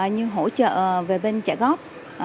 như hỗ trợ về bên trả góp